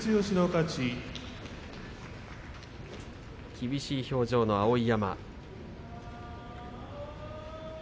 厳しい表情の碧山。